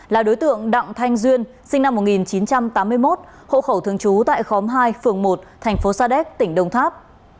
là đối tượng đặng thanh duyên sinh năm một nghìn chín trăm tám mươi một hộ khẩu thường trú tại khóm hai phường một thành phố sa đéc tỉnh đông tháp